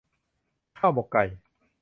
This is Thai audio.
ข้าวหมกไก่